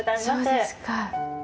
そうですか。